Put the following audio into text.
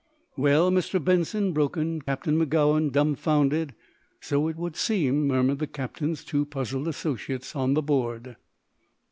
"Well, Mr. Benson," broke in Captain Magowan, dumfounded. "So it would seem," murmured the captain's two puzzled associates on the board.